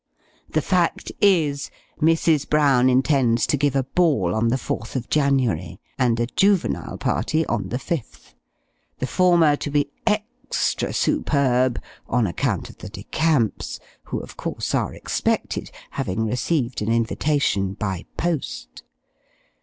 The fact is, Mrs. Brown intends to give a ball on the 4th of January, and a juvenile party on the 5th the former to be extra superb, on account of the De Camps; who, of course, are expected having received an invitation by post.